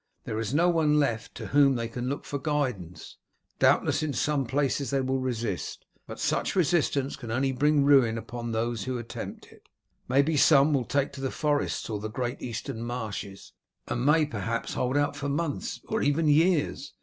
There is no one left to whom they can look for guidance; doubtless in some places they will resist, but such resistance can only bring ruin upon those who attempt it. Maybe some will take to the forests or the great eastern marshes, and may perhaps hold out for months, or even years.